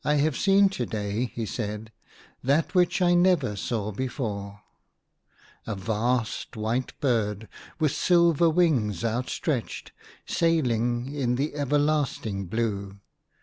" I have seen to day," he said, "that which I never saw before — a vast white bird, with silver wings outstretched, sailing in the everlasting blue.